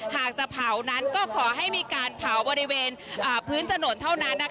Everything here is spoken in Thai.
หากจะเผานั้นก็ขอให้มีการเผาบริเวณพื้นถนนเท่านั้น